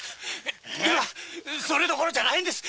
今それどころじゃないんです。